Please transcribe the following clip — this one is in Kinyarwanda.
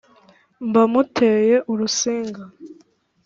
mba muteye urusinga